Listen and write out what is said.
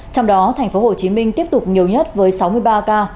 trong đó tp hcm tiếp tục nhiều nhất với sáu mươi ba ca